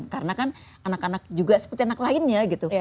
karena kan anak anak juga seperti anak lainnya gitu